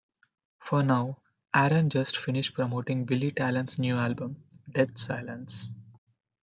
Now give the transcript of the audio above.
For now, Aaron just finished promoting Billy Talent's new album, Dead Silence.